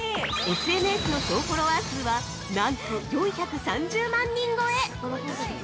◆ＳＮＳの総フォロワー数はなんと４３０万人超え！